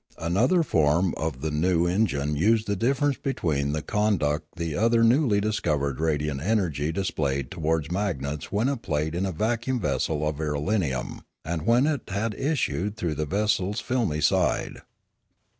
Another* form of the new en gine used the difference between the conduct the other newly discovered radiant energy displayed towards magnets when it played in a vacuum vessel of irelium, and when it had issued through the vessel's filmy side.